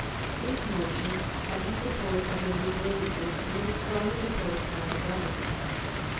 This motion had the support of the Liberal leaders and was strongly opposed by the Government.